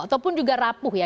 ataupun juga rapuh ya